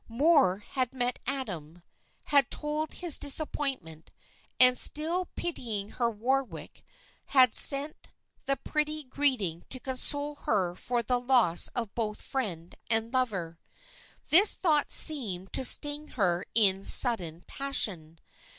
Moor had met Adam, had told his disappointment, and still pitying her Warwick had sent the pretty greeting to console her for the loss of both friend and lover. This thought seemed to sting her into sudden passion.